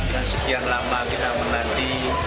dan sekian lama kita menanti